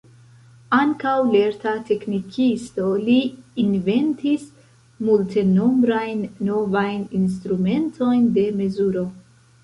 Ankaŭ lerta teknikisto, li inventis multenombrajn novajn instrumentojn de mezuro.